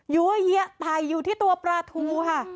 อยู่เยี่ยะตายอยู่ที่ตัวปลาทูค่ะ